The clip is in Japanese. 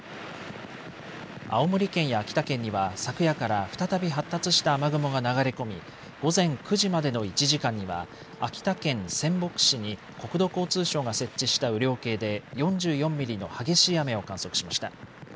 青森県や秋田県には昨夜から再び発達した雨雲が流れ込み午前９時までの１時間には秋田県仙北市に国土交通省が設置した雨量計で４４ミリの激しい雨を観測しました。